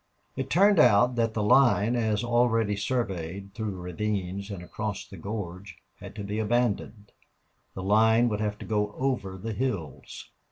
It turned out that the line as already surveyed through ravines and across the gorge had to be abandoned. The line would have to go over the hills.